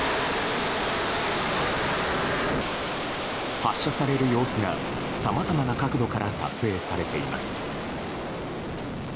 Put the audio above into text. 発射される様子がさまざまな角度から撮影されています。